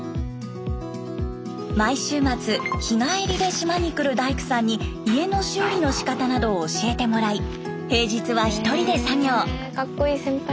毎週末日帰りで島に来る大工さんに家の修理のしかたなどを教えてもらい平日は１人で作業。